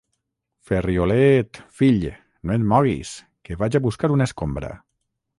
Ferrioleeet, fill, no et moguis, que vaig a buscar una escombra!